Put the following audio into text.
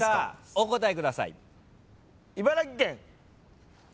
お答えください。